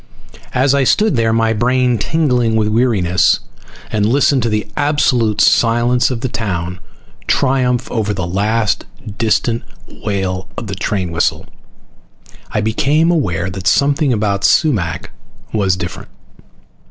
As I stood there, my brain tingling with weariness, and listened to the absolute silence of the town triumph over the last distant wail of the train whistle, I became aware that something about Sumac was different.